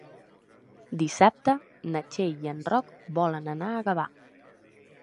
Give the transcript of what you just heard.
Dissabte na Txell i en Roc volen anar a Gavà.